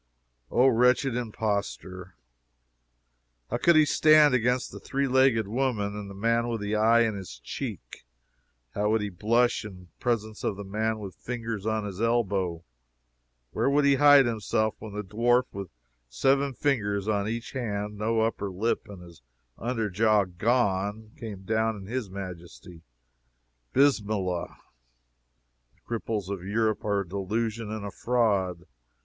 O, wretched impostor! How could he stand against the three legged woman, and the man with his eye in his cheek? How would he blush in presence of the man with fingers on his elbow? Where would he hide himself when the dwarf with seven fingers on each hand, no upper lip, and his under jaw gone, came down in his majesty? Bismillah! The cripples of Europe are a delusion and a fraud.